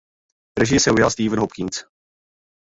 Režie se ujal Stephen Hopkins.